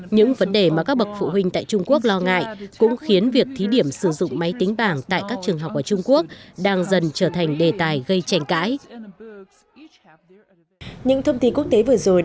những vấn đề mà các bậc phụ huynh tại trung quốc lo ngại cũng khiến việc thí điểm sử dụng máy tính bảng tại các trường học ở trung quốc đang dần trở thành đề tài gây tranh cãi